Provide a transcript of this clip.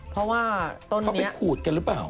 เพราะว่าเขาไปขูดกันหรือเปล่า